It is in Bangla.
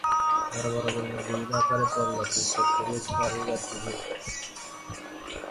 বড়ো বড়ো গুল্ম বিবিধ আকারের পল্লব বিস্তার করিয়া পাহাড়ের গাত্রে ঝুলিতেছে।